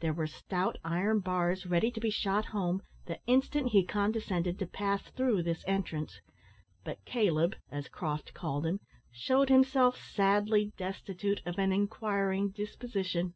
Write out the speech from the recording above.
There were stout iron bars ready to be shot home the instant he condescended to pass through this entrance; but Caleb, as Croft called him, shewed himself sadly destitute of an inquiring disposition.